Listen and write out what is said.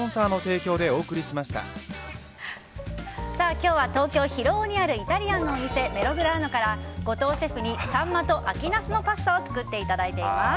今日は東京・広尾にあるイタリアンのお店メログラーノから、後藤シェフにサンマと秋ナスのパスタを作っていただいています。